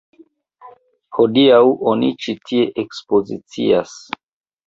Hodiaŭ oni ĉi tie ekspozicias.